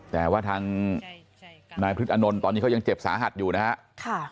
แต่ว่าทางนายพฤษอนนท์ตอนนี้เขายังเจ็บสาหัสอยู่นะครับ